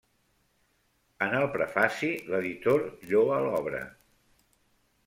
En el prefaci, l'editor lloa l'obra.